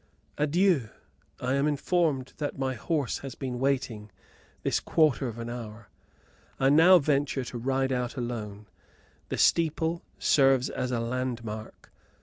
Adieu! I am just informed that my horse has been waiting this quarter of an hour. I now venture to ride out alone. The steeple serves as a landmark.